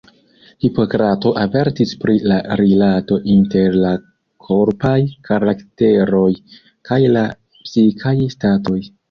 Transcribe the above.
Hipokrato avertis pri la rilato inter la korpaj karakteroj kaj la psikaj statoj.